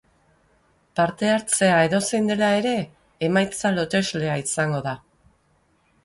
Parte-hartzea edozein dela ere, emaitza loteslea izango da.